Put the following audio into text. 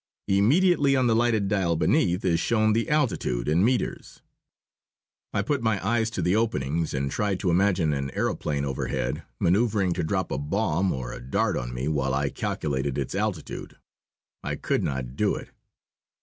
Immediately on the lighted dial beneath is shown the altitude, in metres." I put my eyes to the openings, and tried to imagine an aëroplane overhead, manoeuvring to drop a bomb or a dart on me while I calculated its altitude. I could not do it.